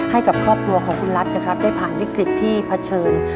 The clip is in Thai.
ให้กับครอบครัวของคุณรัฐนะครับได้ผ่านวิกฤตที่เผชิญ